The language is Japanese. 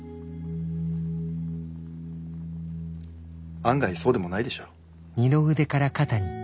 案外そうでもないでしょ？